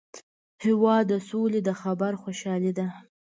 هېواد د سولي د خبر خوشالي ده.